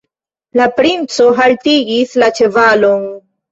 La princo haltigis la ĉevalon.